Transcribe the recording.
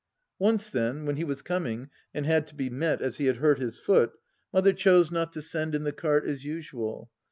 Once, then, when he was coming and had to be met as he had hurt his foot. Mother chose not to send in the cart as usual.